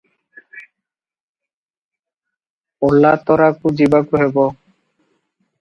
ଅଲାତରାକୁ ଯିବାକୁ ହେବ ।